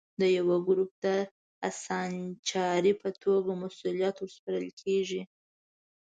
د یوه ګروپ د اسانچاري په توګه مسوولیت ور سپارل کېږي.